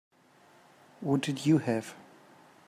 What did you have?